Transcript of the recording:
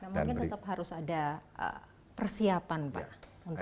mungkin tetap harus ada persiapan pak